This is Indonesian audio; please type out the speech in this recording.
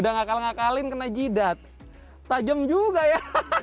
udah ngakal ngakalin kena jidat tajam juga ya